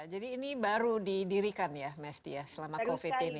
jadi ini baru didirikan ya mesty ya selama covid ini